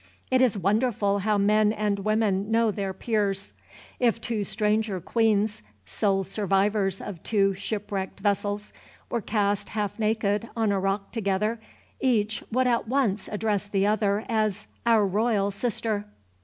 It is wonderful how men and women know their peers. If two stranger queens, sole survivors of two shipwrecked vessels, were cast, half naked, on a rock together, each would at once address the other as "Our Royal Sister."